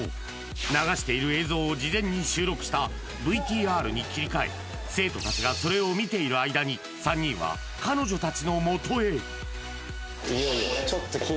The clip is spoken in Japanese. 流している映像を事前に収録したＶＴＲに切り替え、生徒たちがそれを見ている間に、３人は彼女たちのもとへ。